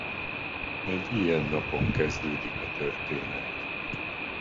Egy ilyen napon kezdődik a történet.